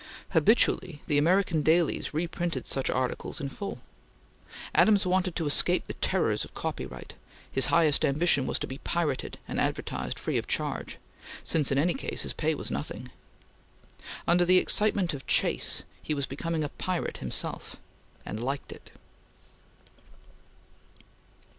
Habitually the American dailies reprinted such articles in full. Adams wanted to escape the terrors of copyright, his highest ambition was to be pirated and advertised free of charge, since in any case, his pay was nothing. Under the excitement of chase he was becoming a pirate himself, and liked it.